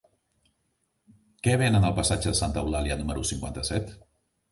Què venen al passatge de Santa Eulàlia número cinquanta-set?